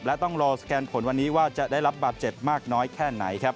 และต้องรอสแกนผลวันนี้ว่าจะได้รับบาดเจ็บมากน้อยแค่ไหนครับ